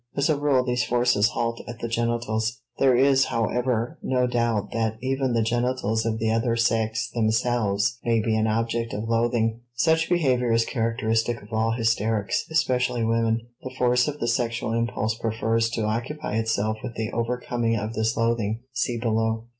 As a rule these forces halt at the genitals; there is, however, no doubt that even the genitals of the other sex themselves may be an object of loathing. Such behavior is characteristic of all hysterics, especially women. The force of the sexual impulse prefers to occupy itself with the overcoming of this loathing (see below).